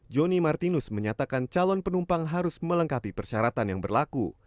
joni martinus menyatakan calon penumpang harus melengkapi persyaratan yang berlaku